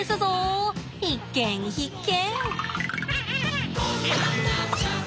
必見必見！